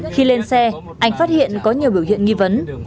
khi lên xe anh phát hiện có nhiều biểu hiện nghi vấn